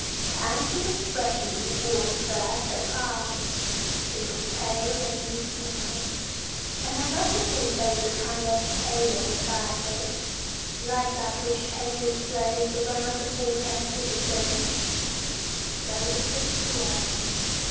The anxious expression it wore at first had passed. It was pale and meek now, and I love to think there was a kind of halo about it, like that which painters place around the forehead of a saint. So he drifted away.